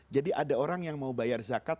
jadi ada orang yang mau bayar zakat